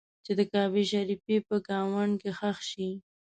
چې د کعبې شریفې په ګاونډ کې ښخ شي.